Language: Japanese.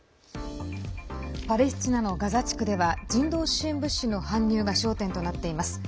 パレスチナのガザ地区では人道支援物資の搬入が焦点となっています。